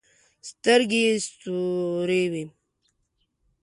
سترګې يې سورې وې.